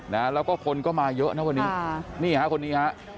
และครอนก็มาเยอะนะวันนี้